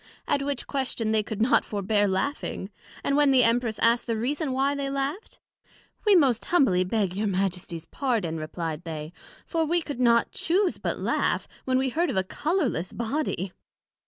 At which question they could not forbear laughing; and when the Empress asked the reason why they laught? We most humbly beg your Majesties pardon, replied they; for we could not chuse but laugh, when we heard of a colourless Body.